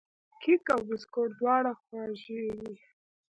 کیک او بسکوټ دواړه خوږې دي.